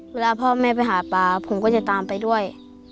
เวลาพ่อแม่ไปหาปลาผมก็จะตามไปด้วย